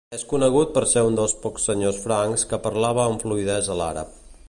És conegut per ser un dels pocs senyors francs que parlava amb fluïdesa l'àrab.